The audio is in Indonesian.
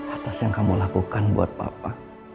atas yang kamu lakukan buat bapak